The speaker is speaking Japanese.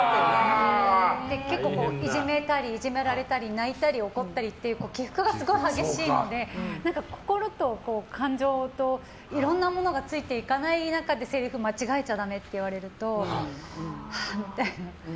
結構いじめたりいじめられたり泣いたり怒ったりっていう起伏がすごく激しいので心と、感情といろんなものがついていかない中でせりふを間違えちゃダメって言われると、はあみたいな。